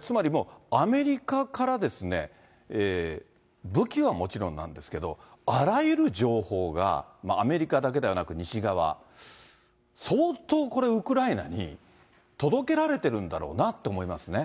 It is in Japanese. つまり、もうアメリカからですね、武器はもちろんなんですけれども、あらゆる情報がアメリカだけではなく西側、相当これ、ウクライナに届けられてるんだろうなと思いますね。